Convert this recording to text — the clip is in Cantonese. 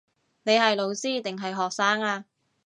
你係老師定係學生呀